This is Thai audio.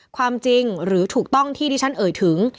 ความจริงหรือถูกต้องที่ที่ฉันเอ่ยถึง